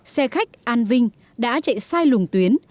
xe khách an vinh đã chạy sai lùng tuyến